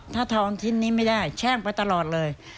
ถ้าทอนชิ้นนี้ไม่ได้แช่งไปตลอดเลย